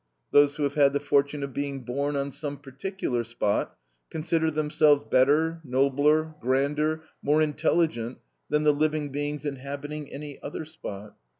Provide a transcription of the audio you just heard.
Those who have had the fortune of being born on some particular spot, consider themselves better, nobler, grander, more intelligent than the living beings inhabiting any other spot.